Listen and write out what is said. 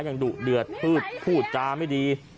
ยังดุเหลือดพูดจ้ามไม่ดี